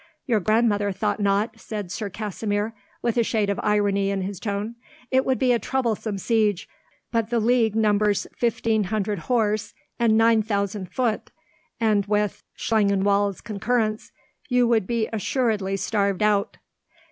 "Your grandmother thought not," said Sir Kasimir, with a shade of irony in his tone. "It would be a troublesome siege; but the League numbers 1,500 horse, and 9,000 foot, and, with Schlangenwald's concurrence, you would be assuredly starved out."